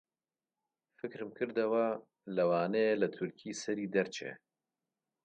فکرم کردەوە لەوانەیە لە تورکی سەری دەرچێ